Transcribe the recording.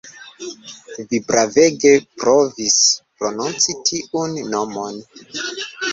Vi bravege provis prononci tiun nomon